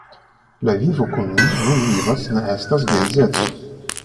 La vivo kiun ni nun vivas, ne estas geedzeco.